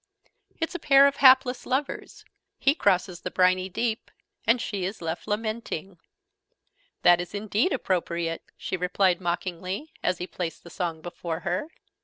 It's a pair of hapless lovers: he crosses the briny deep: and she is left lamenting." "That is indeed appropriate!" she replied mockingly, as he placed the song before her.